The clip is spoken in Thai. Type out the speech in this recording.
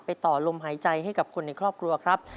ต่อลมหายใจให้กับคนในครอบครัวครับ